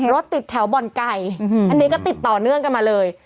รถติดแถวบ่อนไก่อันนี้ก็ติดต่อเนื่องกันมาเลย